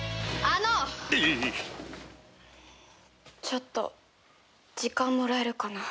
ちょっと時間もらえるかな？